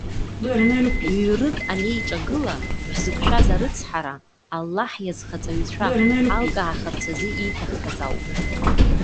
Ҩ-рык анеиҿагыла шәзықәшәаз арыцҳара, Аллаҳ иазхаҵаҩцәа алкаахарц азы ииҭаххаз ауп.